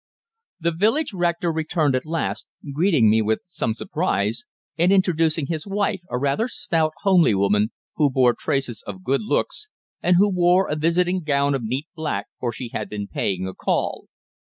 The village rector returned at last, greeting me with some surprise, and introducing his wife, a rather stout, homely woman, who bore traces of good looks, and who wore a visiting gown of neat black, for she had been paying a call.